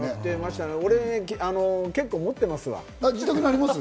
俺、結構持ってますわ。